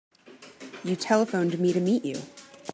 You telephoned me to meet you.